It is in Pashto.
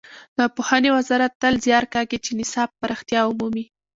د پوهنې وزارت تل زیار کاږي چې نصاب پراختیا ومومي.